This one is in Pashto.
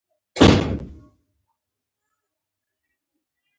بدرنګه ژبه تل خلک خفه کوي